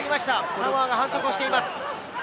サモアが反則をしています。